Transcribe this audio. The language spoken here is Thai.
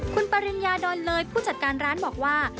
คุณปริญญาดอนเลยผู้จัดการร้านบอกว่า